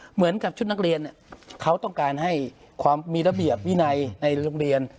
เหมือนกับชุดนักเรียนเขาต้องการให้ความมีระเบียบวินัยในโรงเรียน